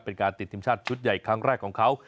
เป็นการติดทีมชาติชุดใหญ่ครั้งแรกของเขา